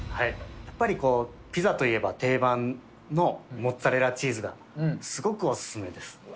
やっぱりピザといえば定番のモッツァレラチーズがすごくお勧めです。